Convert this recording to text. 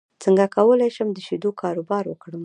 څنګه کولی شم د شیدو کاروبار وکړم